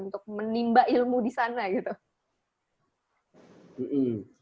untuk menimba ilmu di sana gitu